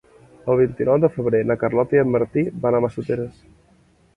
El vint-i-nou de febrer na Carlota i en Martí van a Massoteres.